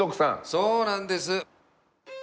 そうなんです。